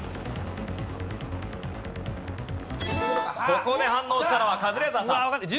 ここで反応したのはカズレーザーさん。